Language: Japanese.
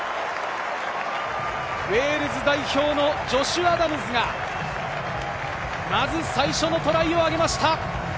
ウェールズ代表のジョシュ・アダムズが、まず最初のトライをあげました。